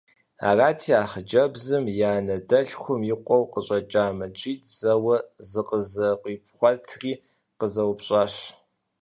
Арати, а хъыджэбзым и анэ дэлъхум и къуэу къыщӀэкӀа Мэжид зэуэ зыкъызэкъуипхъуэтри къызэупщӀащ.